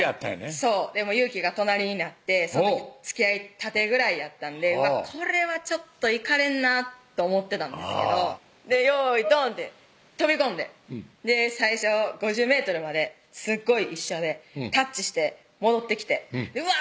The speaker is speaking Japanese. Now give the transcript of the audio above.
そうでもゆーきが隣になってその時つきあいたてぐらいやったんでうわっこれはちょっといかれんなと思ってたんですけど用意ドンで飛び込んで最初５０ｍまですごい一緒でタッチして戻ってきてうわっ